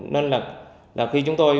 nên là khi chúng tôi